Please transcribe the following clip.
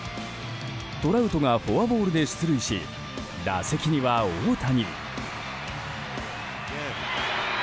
トラウトがフォアボールで出塁し打席には大谷。